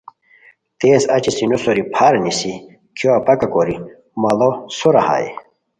تیز اچی سینو سوری پھار نیسی کھیو اپاکہ کوری ماڑو سورا ہائے